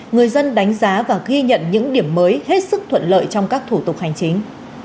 người dân đánh giá và ghi nhận những điểm mới hết sức thuận lợi trong các thủ tục hành chính